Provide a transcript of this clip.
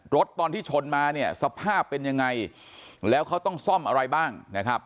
ตอนที่ชนมาเนี่ยสภาพเป็นยังไงแล้วเขาต้องซ่อมอะไรบ้างนะครับ